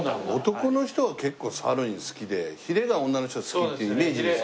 男の人は結構サーロイン好きでヒレが女の人は好きっていうイメージですけど。